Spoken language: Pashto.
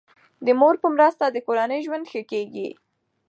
د مور په مرسته کورنی ژوند ښه کیږي.